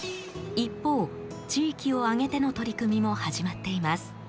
一方地域を挙げての取り組みも始まっています。